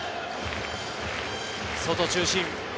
外中心。